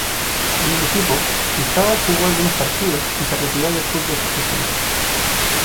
Con el equipo "Pijao" jugó algunos partidos y se retiró del fútbol profesional.